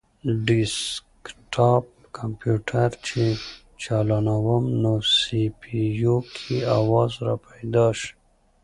ډیسکټاپ کمپیوټر چې چالانووم نو سي پي یو کې اواز راپیدا شي